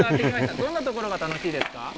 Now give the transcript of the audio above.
どんなところが楽しいですか？